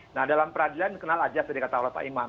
nah dalam peradilan kenal ajas dari kata allah ta'ala imam